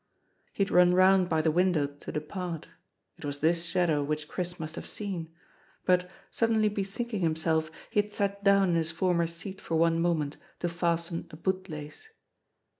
He had run round by the window to depart — it was this shadow which Chris must have seen — but, suddenly bethinking THE RESURRECTION AND THE LIFE. 441 himself, he had sat down in his former seat for one moment, to fasten a boot lace.